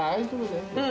うん。